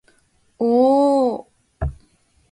おおおおお